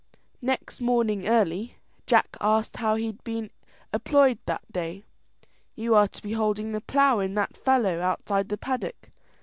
Next morning early, Jack asked how he'd be employed that day. "You are to be holding the plough in that fallow, outside the paddock."